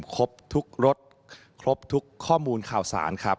ครบทุกรถครบทุกข้อมูลข่าวสารครับ